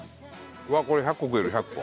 これ１００個食える１００個。